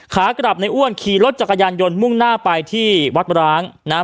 ขากลับในอ้วนขี่รถจักรยานยนต์มุ่งหน้าไปที่วัดร้างนะฮะ